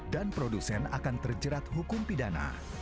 dan produsen akan terjerat hukum pidana